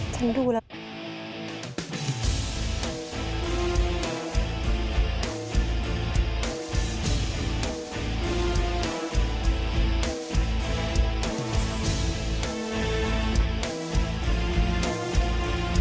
ฉันดูแล้ว